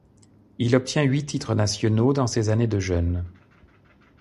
Il obtient huit titres nationaux dans ses années de jeunes.